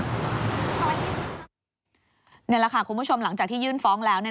นี่แหละค่ะคุณผู้ชมหลังจากที่ยื่นฟ้องแล้ว